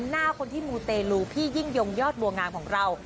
หน้าคนที่มูเตลูพี่ยิ่งยงยอดบัวงามของเรา